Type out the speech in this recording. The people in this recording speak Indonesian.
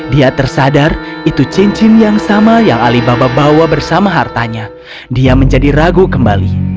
dia tersadar itu cincin yang sama yang alibaba bawa bersama hartanya dia menjadi ragu kembali